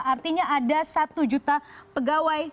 artinya ada satu juta pegawai